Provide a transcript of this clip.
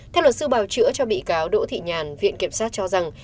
theo luật sư bào chữa cho bị cáo đỗ thị nhàn viện kiểm sát cho rằng